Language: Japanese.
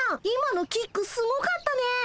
今のキックすごかったね。